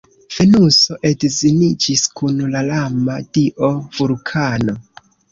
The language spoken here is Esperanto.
Venuso edziniĝis kun la lama dio Vulkano.